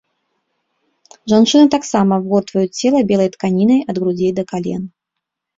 Жанчыны таксама абгортваюць цела белай тканінай ад грудзей да кален.